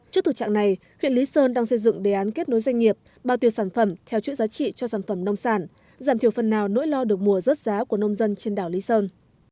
trước thực trạng này huyện lý sơn đang xây dựng đề án kết nối doanh nghiệp bao tiêu sản phẩm theo chuỗi giá trị cho sản phẩm nông sản giảm thiểu phần nào nỗi lo được mùa rớt giá của nông dân trên đảo lý sơn